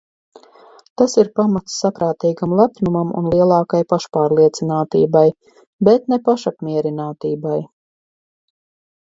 Tas ir pamats saprātīgam lepnumam un lielākai pašpārliecinātībai, bet ne pašapmierinātībai.